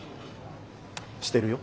してるよ。